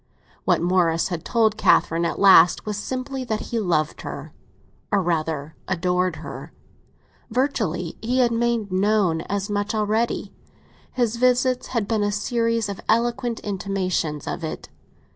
What Morris had told Catherine at last was simply that he loved her, or rather adored her. Virtually, he had made known as much already—his visits had been a series of eloquent intimations of it.